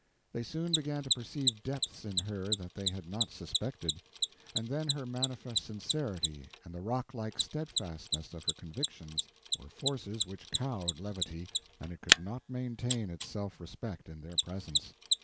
They soon began to perceive depths in her that they had not suspected; and then her manifest sincerity and the rocklike steadfastness of her convictions were forces which cowed levity, and it could not maintain its self respect in their presence.